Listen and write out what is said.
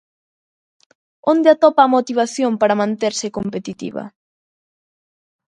Onde atopa a motivación para manterse competitiva?